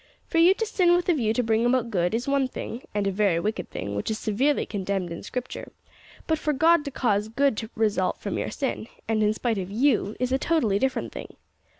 For you to sin with a view to bring about good, is one thing and a very wicked thing, which is severely condemned in Scripture but for God to cause good to result from your sin, and in spite of you, is a totally different thing.